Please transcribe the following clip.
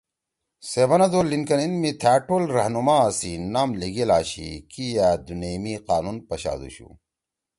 سے بنَدُو لِنکن اِن می تھأ ٹول رہنمآ سی نام لیِگیل آشی کی یأ دُونیئی می قانون پشادُوشُو